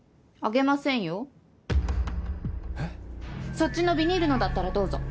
そっちのビニールのだったらどうぞ。